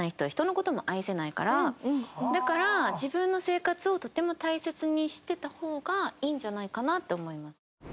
だから自分の生活をとても大切にしてた方がいいんじゃないかなって思います。